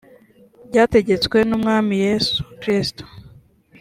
byategetswe n umwami yesu kristo